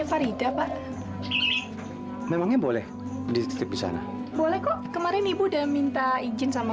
pak rida pak memangnya boleh dititik titik sana boleh kok kemarin ibu udah minta izin sama